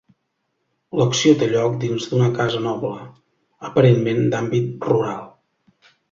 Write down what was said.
L'acció té lloc dins una casa noble, aparentment d'àmbit rural.